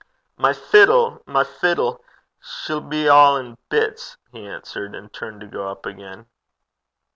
'My fiddle! my fiddle! She 'll be a' in bits,' he answered, and turned to go up again.